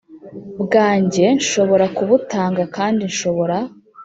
bwanjye Nshobora kubutanga kandi nshobora